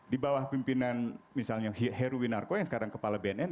di bawah pimpinan misalnya heruwinarko yang sekarang kepala bnn